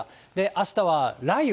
あしたは雷雨。